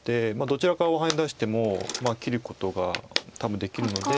どちらからハネ出しても切ることが多分できるので。